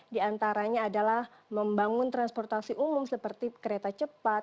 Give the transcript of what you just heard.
diantaranya adalah membangun transportasi umum seperti kereta cepat